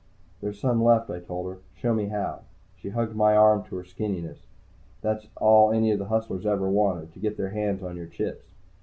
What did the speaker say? "There's some left," I told her. "Show me how." She hugged my arm to her skinniness. That's all any of the hustlers ever want to get their hands on your chips.